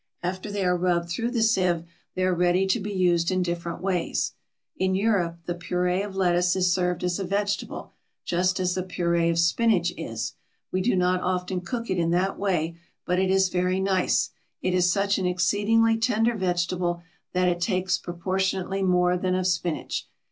After they are rubbed through the sieve they are ready to be used in different ways. In Europe the puree of lettuce is served as a vegetable, just as the puree of spinach is. We do not often cook it in that way, but it is very nice; it is such an exceedingly tender vegetable that it takes proportionately more than of spinach.